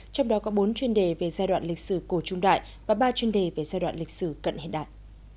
trong đó có bốn chuyên đề về giai đoạn lịch sử cổ trung đại và ba chuyên đề về giai đoạn lịch sử cận hiện đại